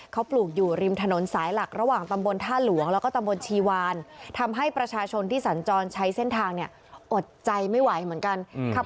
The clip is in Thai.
เขาปลูกอยู่ริมถนนสายหลักระหว่างตำบลท่าหลวงแล้วก็ตำบลชีวานทำให้ประชาชนที่สัญจรใช้เส้นทางเนี่ยอดใจไม่ไหวเหมือนกันครับ